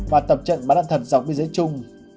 và tập trận bắn đạn thật dọc biên giới chung